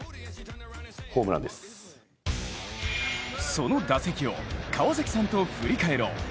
その打席を川崎さんと振り返ろう。